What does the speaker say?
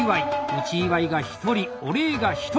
「内祝」が１人「御礼」が１人！